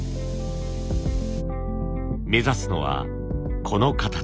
目指すのはこの形。